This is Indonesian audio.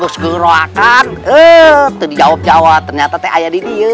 saya berusaha berusaha